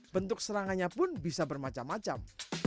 bentuk serangannya pun bisa bermacam macam